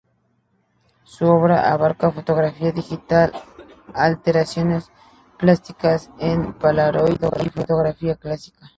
Su obra abarca fotografía digital, alteraciones plásticas en Polaroid, fotografía clásica.